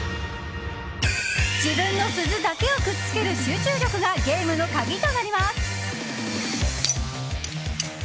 自分の鈴だけをくっつける集中力がゲームの鍵となります。